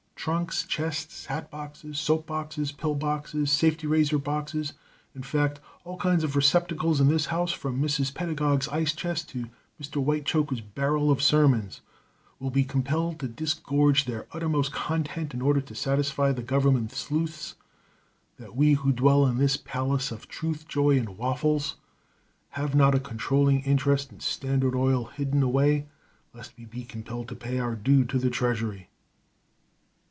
Trunks, chests, hatboxes, soapboxes, pillboxes, safety razor boxes in fact, all kinds of receptacles in this house, from Mrs. Pedagog's ice chest to Mr. Whitechoker's barrel of sermons will be compelled to disgorge their uttermost content in order to satisfy the government sleuths that we who dwell in this Palace of Truth, Joy, and Waffles, have not a controlling interest in Standard Oil hidden away lest we be compelled to pay our due to the treasury."